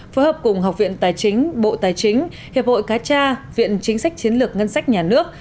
phối hợp cùng học viện tài chính bộ tài chính hiệp hội cá tra viện chính sách chiến lược ngân sách nhà nước